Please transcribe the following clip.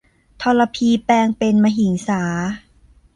ทรพีแปลงเป็นมหิงสา